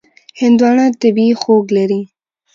هندوانه طبیعي خوږ لري.